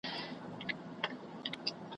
له حملو د ګیدړانو د لېوانو `